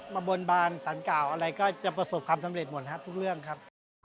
บนบานสารกล่าวอะไรก็จะประสบความสำเร็จหมดครับทุกเรื่องครับ